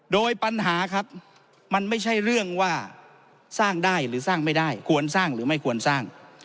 โดยปัญหาครับมันไม่ใช่เรื่องว่าสร้างได้หรือสร้างไม่ได้ควรสร้างหรือไม่ควรสร้าง